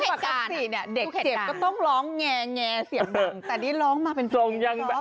เขตกานเด็กเซ็บต้องร้องงแงเสียบัง